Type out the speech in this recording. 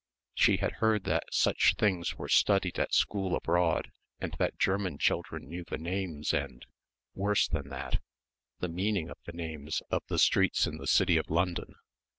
She had heard that such things were studied at school abroad and that German children knew the names and, worse than that, the meaning of the names of the streets in the city of London.